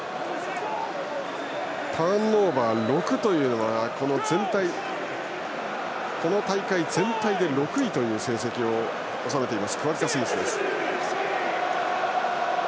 ターンオーバー、６というこの大会全体で６位という成績を収めているクワッガ・スミスです。